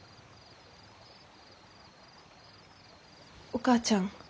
お母ちゃん。